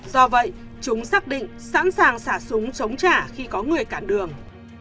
do vậy chúng xác định sẵn sàng xả súng chống trả khi có người cản đường